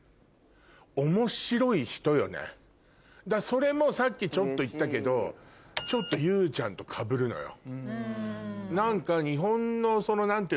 それもさっきちょっと言ったけどちょっとＹＯＵちゃんとかぶるのよ。